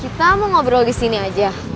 kita mau ngobrol di sini aja